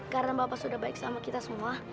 karena bapak sudah baik sama kita semua